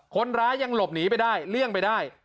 คนร้ายยังหลบหนีไปได้เลี่ยงไปได้